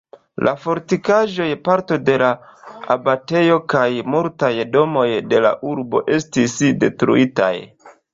La fortikaĵoj, parto de la abatejo kaj multaj domoj de la urbo estis detruitaj.